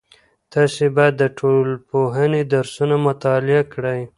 تاسې باید د ټولنپوهنې درسونه مطالعه کړئ.